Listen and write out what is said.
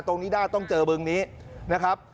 ตรงนี้ได้ต้องเจอบึงนี้นะครับ